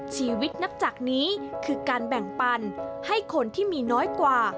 ชีวิตนับจากนี้คือการแบ่งปันให้คนที่มีน้อยกว่า